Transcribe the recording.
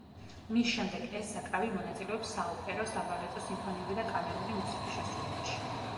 მის შემდეგ ეს საკრავი მონაწილეობს საოპერო, საბალეტო, სიმფონიური და კამერული მუსიკის შესრულებაში.